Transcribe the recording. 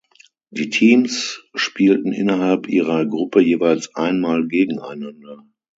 Die Teams spielten innerhalb ihrer Gruppe jeweils einmal gegeneinander.